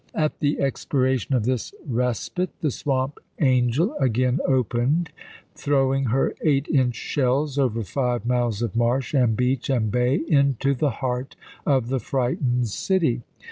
At the expiration of this respite the Swamp Angel again opened, throw ing her eight inch shells over five miles of marsh and beach and bay into the heart of the frightened city.